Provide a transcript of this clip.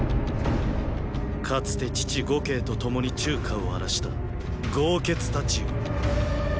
かつて父呉慶と共に中華を荒らした豪傑たちよ。